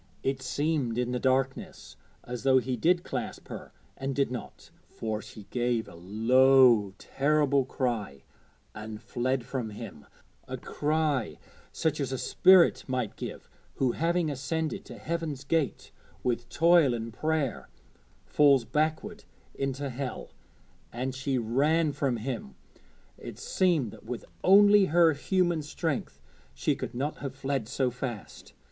It seemed in the darkness as though he did clasp her and did not, for she gave a low terrible cry and fled from him a cry such as a spirit might give who, having ascended to Heaven's gate with toil and prayer, falls backward into Hell; and she ran from him it seemed that with only her human strength she could not have fled so fast.